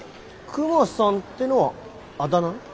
クマさんってのはあだ名？